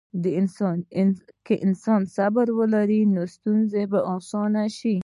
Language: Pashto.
که انسان صبر ولري، نو ستونزې به اسانه شي.